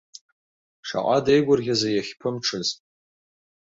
Шаҟа деигәырӷьазеи иахьԥымҽыз.